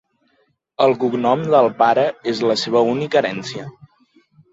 El cognom del pare és la seva única herència.